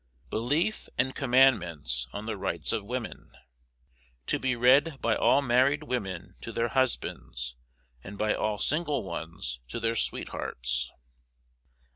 BELIEF AND COMMANDMENTS ON THE RIGHTS OF WOMEN. To be read by all married women to their husbands, and by all single ones to their sweethearts.